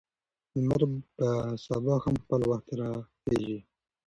لمر به سبا هم په خپل وخت راخیژي.